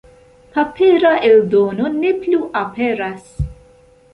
Papera eldono ne plu aperas.